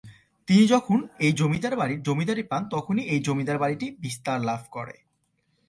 তিনি যখন এই জমিদার বাড়ির জমিদারি পান তখনই এই জমিদার বাড়িটি বিস্তার লাভ করে।